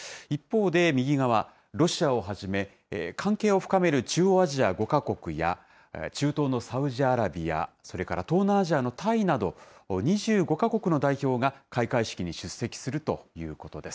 一方で右側、ロシアをはじめ、関係を深める中央アジア５か国や、中東のサウジアラビア、それから東南アジアのタイなど、２５か国の代表が開会式に出席す